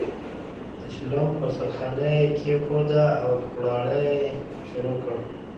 د چلم په سر خانۍ یې کېښوده او کوړاړی یې شروع کړ.